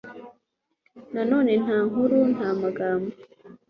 Nanone nta nkuru nta n’amagambo